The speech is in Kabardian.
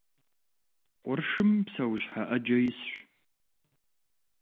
Къуршым псэущхьэ Ӏэджэ исщ.